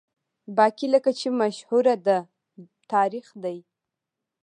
باقي لکه چې مشهوره ده، تاریخ دی.